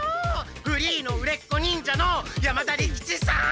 フリーの売れっ子忍者の山田利吉さん！